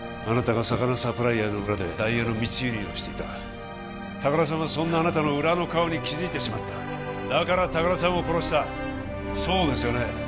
あなたが魚サプライヤーの裏でダイヤの密輸入をしていた高田さんはそんなあなたの裏の顔に気づいてしまっただから高田さんを殺したそうですよね？